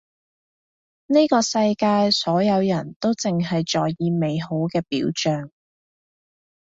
呢個世界所有人都淨係在意美好嘅表象